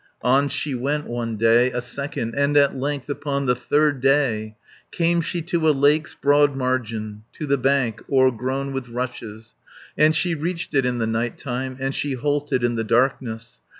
On she went, one day, a second, And at length, upon the third day, Came she to a lake's broad margin, To the bank, o'ergrown with rushes. And she reached it in the night time, And she halted in the darkness.